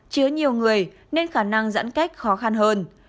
chứa nhiều người nên khả năng giãn cách khó khăn hơn